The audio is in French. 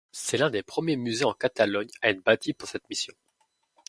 C'est l’un des premiers musées en Catalogne à être bâti pour cette mission.